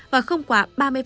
và không quá ba mươi